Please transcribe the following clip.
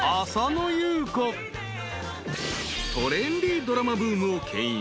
［トレンディードラマブームをけん引］